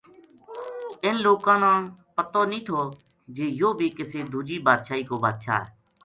انھ لوکاں پتو نیہہ تھو جی یوہ بھی کسے دوجی بادشاہی کو بادشاہ ہے